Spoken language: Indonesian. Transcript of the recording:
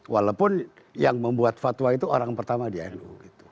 walaupun yang membuat fatwa itu orang pertama di nu